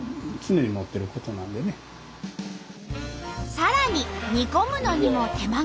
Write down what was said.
さらに煮込むのにも手間が。